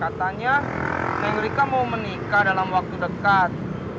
katanya neng rika mau menikah dalam waktu dekat